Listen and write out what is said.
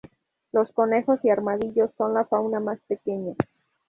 Los conejos y armadillos son la fauna más pequeña.